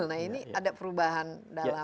nah ini ada perubahan dalam